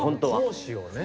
講師をね。